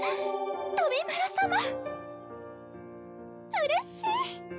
うれしい。